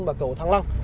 cầu tân và cầu thăng lăng